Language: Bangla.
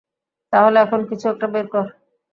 তাহলে, এখন কিছু একটা বের কর।